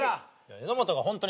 榎本がホントに。